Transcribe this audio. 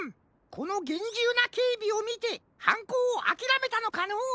このげんじゅうなけいびをみてはんこうをあきらめたのかのう？